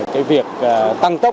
cái việc tăng tất